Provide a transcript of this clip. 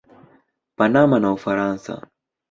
Panama na Ufaransa.